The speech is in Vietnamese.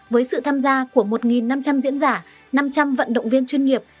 với sự tham gia của một năm trăm linh diễn giả năm trăm linh vận động viên chuyên nghiệp